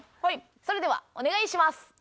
それではお願いします。